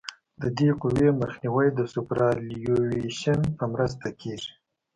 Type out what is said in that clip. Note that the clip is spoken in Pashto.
د دې قوې مخنیوی د سوپرایلیویشن په مرسته کیږي